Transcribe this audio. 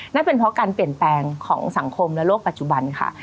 นั่นเป็นเพราะการเปลี่ยนแปลงของสังคมและโลกปัจจุบันค่ะ